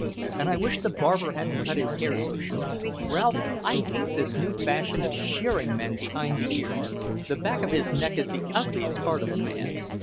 And I wish the barber hadn't cut his hair so short, Ralph. I hate this new fashion of shearing men behind the ears. The back of his neck is the ugliest part of a man."